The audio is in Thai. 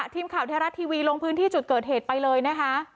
ทีมข่าวไทยรัฐทีวีลงพื้นที่จุดเกิดเหตุไปเลยนะคะ